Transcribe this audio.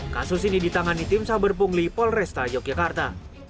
kasus ini ditangani tim saber pungli polresta yogyakarta